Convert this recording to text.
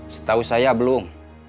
setahu saya belum